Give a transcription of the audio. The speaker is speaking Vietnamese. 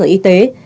cơ sở y tế